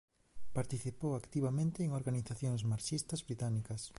Participou activamente en organizacións marxistas británicas.